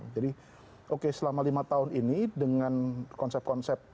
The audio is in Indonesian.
jadi oke selama lima tahun ini dengan konsep konsep